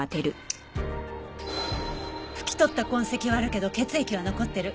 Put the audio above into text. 拭き取った痕跡はあるけど血液は残ってる。